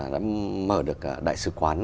đã mở được đại sứ quán